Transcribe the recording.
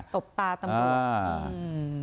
ตบตาตำรวจ